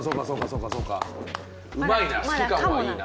うまいな。